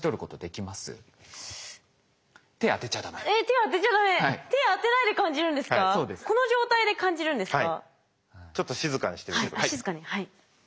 はい。